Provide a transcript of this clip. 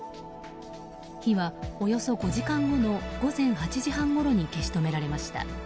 火はおよそ５時間後の午前８時半ごろに消し止められました。